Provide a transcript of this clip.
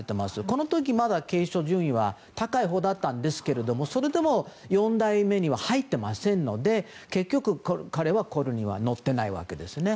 この時、まだ継承順位は高いほうだったんですけれどもそれでも４代目には入っていませんので結局、彼はこれには載っていないわけですね。